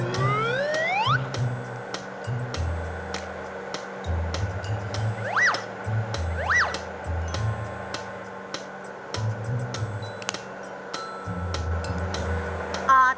สีมัด